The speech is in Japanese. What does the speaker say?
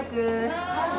はい。